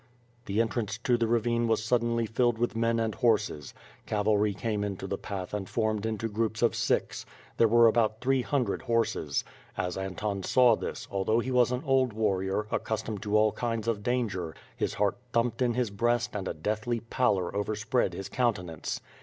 The entrance to the ravine was suddenly filled with men and horses. Cavalry came into the path and formed into groups of six. There were about three hundred horses. As Anton saw this, although he was an old warrior, accustomed to all kinds of danger, his heart thumped in liis breast and a deathly pallor overspread his countenance.